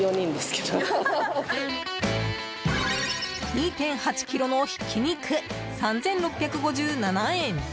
２．８ｋｇのひき肉３６５７円。